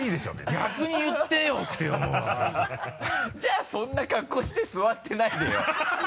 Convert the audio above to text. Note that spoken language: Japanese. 逆に言ってよって思うわけじゃあそんな格好して座ってないでよ。